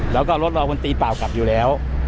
แล้วก็รถรอบนตีเปล่ากลับอยู่แล้ว